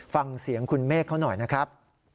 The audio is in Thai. ฟังเสียงคุณเมฆเขาหน่อยนะครับ